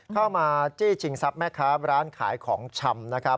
เข้ามาจี้ชิงซับแม่ค้าร้านขายของชำ